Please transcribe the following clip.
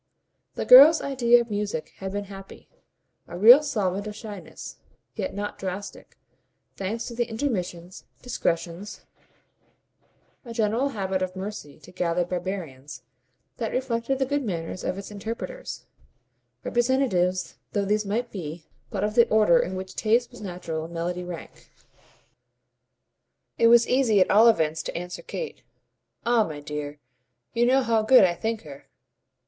The girl's idea of music had been happy a real solvent of shyness, yet not drastic; thanks to the intermissions, discretions, a general habit of mercy to gathered barbarians, that reflected the good manners of its interpreters, representatives though these might be but of the order in which taste was natural and melody rank. It was easy at all events to answer Kate. "Ah my dear, you know how good I think her!"